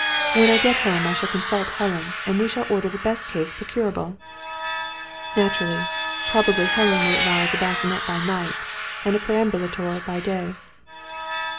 When I get home I shall consult Helen, and we shall order the best case procurable." "Naturally. Probably Helen will advise a bassinet by night, and a perambulator by day."